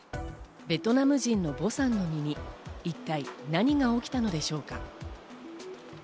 ベトナム人のヴォさんの身に一体何が起きたのでしょうか？